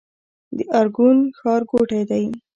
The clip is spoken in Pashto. د ارګون ښارګوټی دی